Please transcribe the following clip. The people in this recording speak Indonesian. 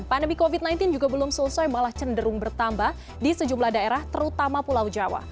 pandemi covid sembilan belas juga belum selesai malah cenderung bertambah di sejumlah daerah terutama pulau jawa